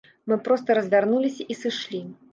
Мы проста развярнуліся і сышлі.